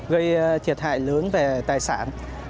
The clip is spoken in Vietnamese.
gây thiệt hại lớn về tài sản